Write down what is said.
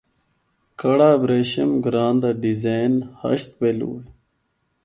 کڑہ ابریشم گراں دا ڈیزین ہشت پہلو ہے۔